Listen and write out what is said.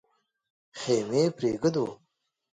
خېمې پرېږدو.